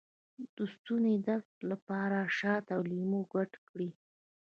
د ستوني درد لپاره شات او لیمو ګډ کړئ